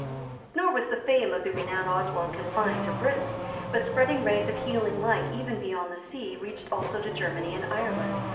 Nor was the fame of the renowned Oswald confined to Britain, but, spreading rays of healing light even beyond the sea, reached also to Germany and Ireland.